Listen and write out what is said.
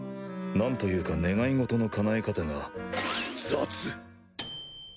なんというか願い事のかなえ方が雑！